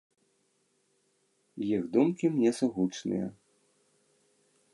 Іх думкі мне сугучныя.